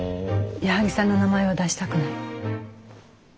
矢作さんの名前は出したくない。